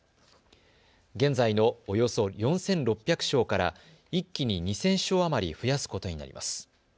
現在のおよそ４６００床から一気に２０００床余り増やすことになります。